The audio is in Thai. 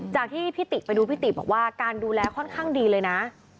จากที่พี่ติไปดูพี่ติบอกว่าการดูแลค่อนข้างดีเลยนะ